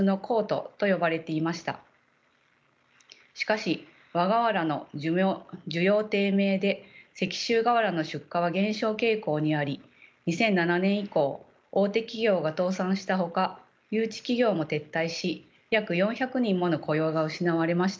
しかし和瓦の需要低迷で石州瓦の出荷は減少傾向にあり２００７年以降大手企業が倒産したほか誘致企業も撤退し約４００人もの雇用が失われました。